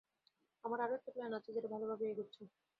আমার আরো একটা প্ল্যান আছে যেটা ভালোভাবেই এগোচ্ছে।